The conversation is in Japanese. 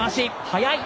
速い。